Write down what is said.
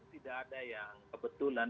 tidak ada yang kebetulan